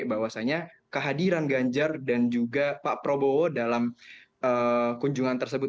bahwasannya kehadiran ganjar dan juga pak prabowo dalam kunjungan tersebut